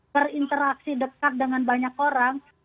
berinteraksi dekat dengan banyak orang